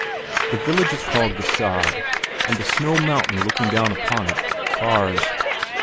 The village is called Gschaid and the snow mountain looking down upon it, Gars.